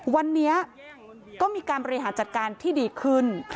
วันนี้ก็มีการบริหารจัดการที่ดีขึ้น